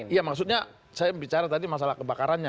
iya maksudnya saya bicara tadi masalah kebakarannya